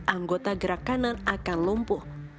anggota gerak kanan akan lumpuh